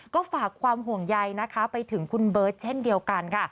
ก็ฝากความห่วงใยนะคะไปถึงคุณเบิร์ตเช่นเดียวกันค่ะ